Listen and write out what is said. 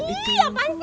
ih apaan sih